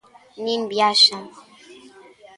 Nin viaxan.